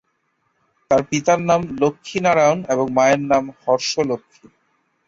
তার পিতার নাম লক্ষ্মী নারায়ণ এবং মায়ের নাম হর্ষ লক্ষ্মী।